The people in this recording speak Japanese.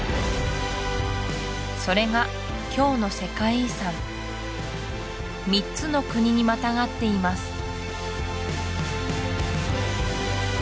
それが今日の世界遺産３つの国にまたがっています